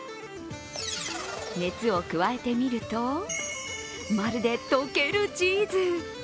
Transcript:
熱を加えてみるとまるで溶けるチーズ。